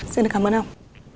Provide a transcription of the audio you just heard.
xin cảm ơn ông